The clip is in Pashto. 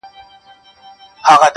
o شراب ترخه ترخو ته دي، و موږ ته خواږه.